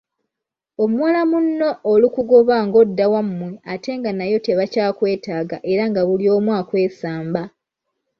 Omuwala munno olukugoba ng'odda wammwe ate nga nayo tebakyakwetaaga era nga buli omu akwesamba.